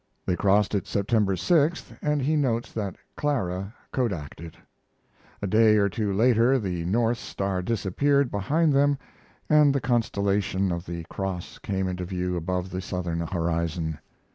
They crossed it September 6th, and he notes that Clara kodaked it. A day or two later the north star disappeared behind them and the constellation of the Cross came into view above the southern horizon.